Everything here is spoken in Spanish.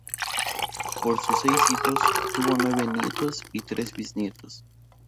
Por sus seis hijos, tuvo nueve nietos y tres bisnietos.